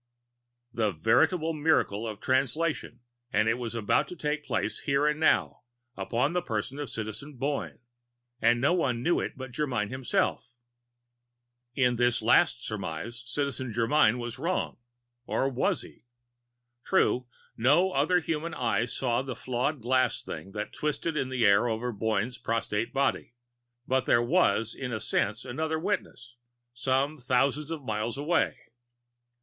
The veritable miracle of Translation and it was about to take place here and now, upon the person of Citizen Boyne! And no one knew it but Germyn himself! In this last surmise, Citizen Germyn was wrong. Or was he? True, no other human eyes saw the flawed glass thing that twisted the air over Boyne's prostrate body, but there was, in a sense, another witness ... some thousands of miles away.